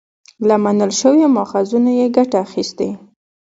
له منل شويو ماخذونو يې ګټه اخستې